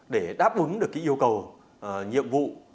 để đáp ứng được yêu cầu nhiệm vụ